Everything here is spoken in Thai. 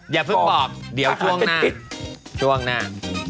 อย่าเพิ่งบอกเดี๋ยวช่วงหน้า